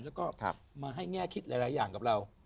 แล้วก็มาให้แง่คิดหลายอย่างกับเรา